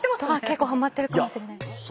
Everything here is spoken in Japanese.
結構ハマってるかもしれないです。